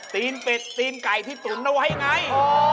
ตีนเป็ดตีนไก่ที่ตุ๋นเอาไว้ไง